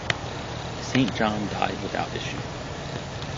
Saint John died without issue.